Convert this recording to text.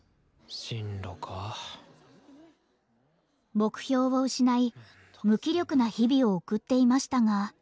進路か目標を失い無気力な日々を送っていましたが。